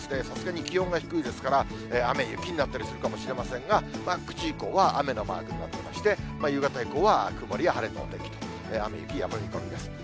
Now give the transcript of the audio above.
さすがに気温が低いですから、雨や雪になったりするかもしれませんが、９時以降は雨のマークになっていまして、夕方以降は曇りや晴れのお天気と、雨、雪が降る見込みです。